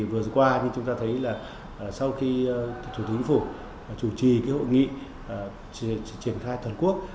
vừa qua chúng ta thấy là sau khi thủ tướng chủ tịch chủ trì hội nghị triển khai toàn quốc